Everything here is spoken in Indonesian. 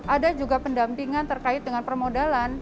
ada juga pendampingan terkait dengan permodalan